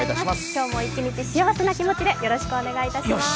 今日も一日、幸せな気持ちでよろしくお願いします。